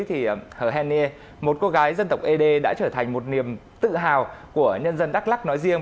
thì hồ hèn nghê một cô gái dân tộc ed đã trở thành một niềm tự hào của nhân dân đắk lắc nói riêng